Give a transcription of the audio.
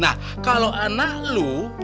nah kalau anak lu